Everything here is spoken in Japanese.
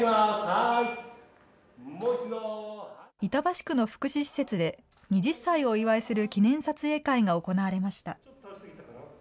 板橋区の福祉施設で２０歳をお祝いする記念撮影会が行われました。